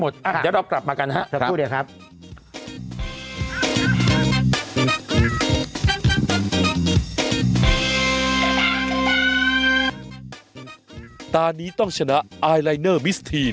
เดี๋ยวเรากลับมากันครับครับพูดดีครับ